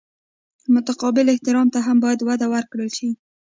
متقابل احترام ته هم باید وده ورکړل شي.